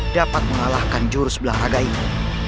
dapat mengalahkan jurus belah raga ini